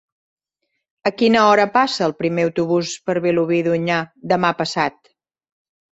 A quina hora passa el primer autobús per Vilobí d'Onyar demà passat?